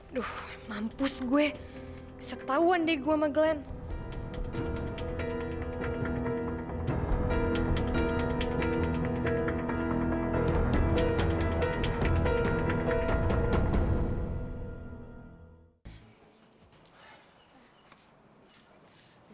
aduh mampus gue bisa ketahuan deh gue sama glenn